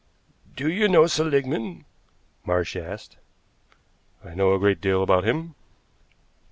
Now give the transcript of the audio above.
"Do you know Seligmann?" Marsh asked. "I know a great deal about him."